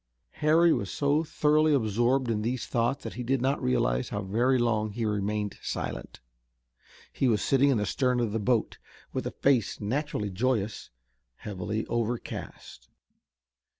Harry was so thoroughly absorbed in these thoughts that he did not realize how very long he remained silent. He was sitting in the stern of the boat, with a face naturally joyous, heavily overcast.